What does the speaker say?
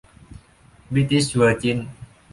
บริติชเวอร์จินส์